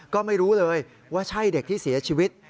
ก็ไม่รู้เลยว่าใช่เด็กที่เสียชีวิต